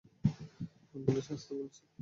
অ্যাম্বুলেন্সে আসতে বলেছি।